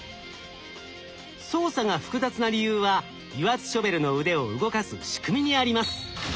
操作が複雑な理由は油圧ショベルの腕を動かす仕組みにあります。